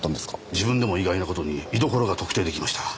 自分でも意外な事に居所が特定出来ました。